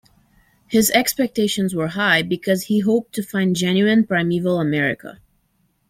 His expectations were high because he hoped to find genuine, primeval America.